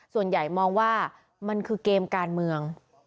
ส่วนใหญ่มองว่ามันคือเกมการเมือง